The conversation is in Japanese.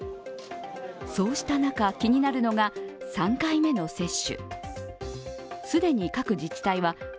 そうした中、気になるのが３回目の接種。